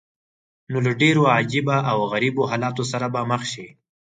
نو له ډېرو عجیبه او غریبو حالاتو سره به مخ شې.